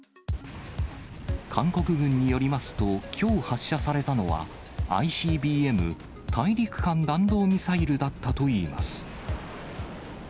韓国軍によりますと、きょう発射されたのは、ＩＣＢＭ・大陸間弾道ミサイルだったといいます。